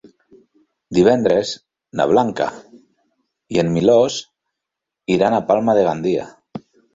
Divendres na Blanca i en Milos iran a Palma de Gandia.